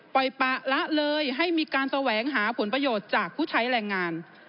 ปะละเลยให้มีการแสวงหาผลประโยชน์จากผู้ใช้แรงงาน